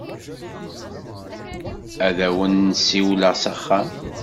Ad awen-n-siwleɣ s axxam.